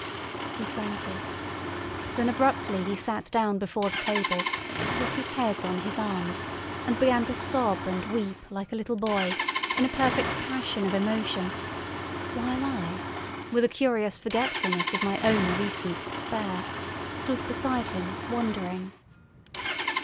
He drank it. Then abruptly he sat down before the table, put his head on his arms, and began to sob and weep like a little boy, in a perfect passion of emotion, while I, with a curious forgetfulness of my own recent despair, stood beside him, wondering.